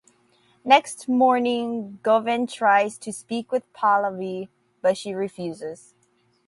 Next morning Govind tries to speak with Pallavi but she refuses.